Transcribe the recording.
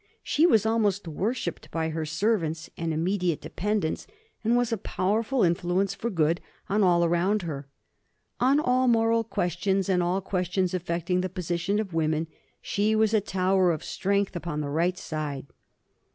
She was almost worshipped by her servants and immediate dependents, and was a powerful influence for good on all around her. On all moral questions, and all questions affecting the position of women, she was a tower of strength upon the right side.